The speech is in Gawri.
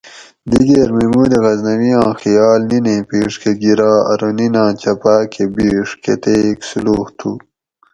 دیگیر محمود غزنوی آں خیال نینیں پیڛ کہ گرا ارو نیناۤن چپاۤ کہ بیڛ کتیک سولوخ تھو